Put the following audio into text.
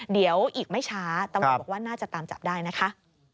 เดี๋ยวอีกไม่ช้าตำรวจบอกว่าน่าจะตามจับได้นะคะ